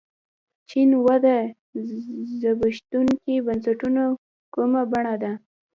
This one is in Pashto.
چین وده د زبېښونکو بنسټونو کومه بڼه ده.